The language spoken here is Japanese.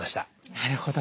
なるほど。